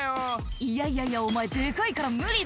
「いやいやいやお前デカいから無理だって」